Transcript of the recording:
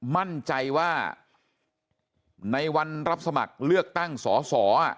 มั่นใจว่าในวันรับสมัครเลือกตั้งสอสอ